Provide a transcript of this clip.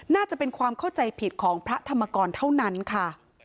น่าจะเป็นความเข้าใจผิดของพระธรรมกรเท่านั้นค่ะ